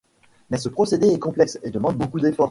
Mais ce procédé est complexe et demande beaucoup d’efforts.